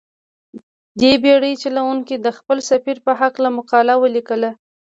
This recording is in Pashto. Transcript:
دې بېړۍ چلوونکي د خپل سفر په هلکه مقاله ولیکله.